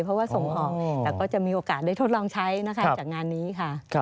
เพราะว่าส่งออกแต่ก็จะมีโอกาสได้ทดลองใช้นะคะจากงานนี้ค่ะ